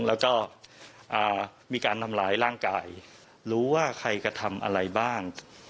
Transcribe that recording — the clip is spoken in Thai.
แล้วก็มีการทำร้ายร่างกายรู้ว่าใครกระทำอะไรบ้าง